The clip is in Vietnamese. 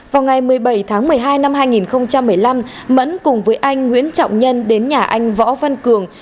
vào ngày một mươi bảy tháng một mươi hai năm hai nghìn một mươi năm mẫn cùng với anh nguyễn trọng nhân đến nhà anh võ văn cường